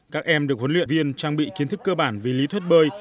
các em được huấn luyện viên trang bị kiến thức cơ bản vì lý thuyết bơi